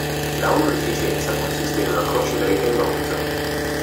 La onorificenza consiste in una croce greca in bronzo.